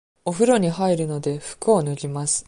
おふろに入るので、服を脱ぎます。